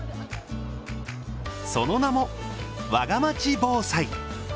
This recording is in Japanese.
その名も、わがまち防災。